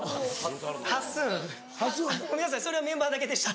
ごめんなさいメンバーだけでした。